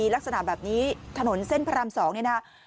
ลักษณะแบบนี้ถนนเส้นพระราม๒เนี่ยนะ